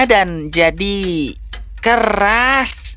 dan jadi keras